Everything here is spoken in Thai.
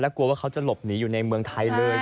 กลัวว่าเขาจะหลบหนีอยู่ในเมืองไทยเลย